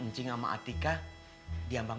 ncing sama atika diambang